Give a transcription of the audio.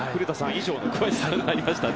以上の詳しさがありましたね。